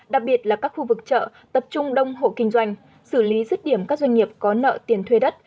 đặc biệt là các khu vực chợ tập trung đông hộ kinh doanh xử lý rứt điểm các doanh nghiệp có nợ tiền thuê đất